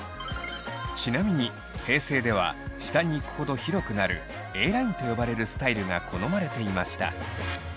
ちなみに平成では下に行くほど広くなるＡラインと呼ばれるスタイルが好まれていました。